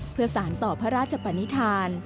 เพื่อสารต่อพระราชบันธาณฑ์